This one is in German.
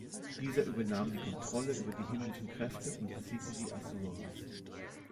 Dieser übernahm die Kontrolle über die himmlischen Kräfte und besiegte die Asuras.